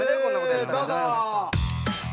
どうぞ。